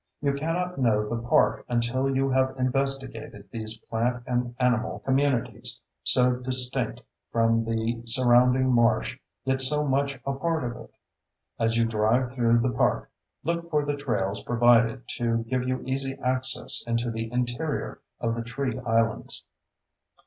You cannot know the park until you have investigated these plant and animal communities so distinct from the surrounding marsh yet so much a part of it. As you drive through the park, look for the trails provided to give you easy access into the interior of the tree islands.